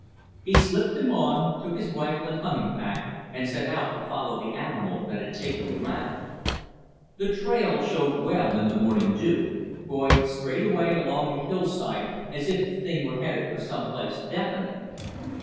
He slipped them on, took his rifle and hunting pack, and set out to follow the animal that had taken the rabbit. The trail showed well in the morning dew, going straight away along the hillside as if the thing were headed some place definite.